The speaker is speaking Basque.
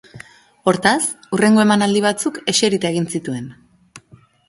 Hortaz, hurrengo emanaldi batzuk eserita egin zituen.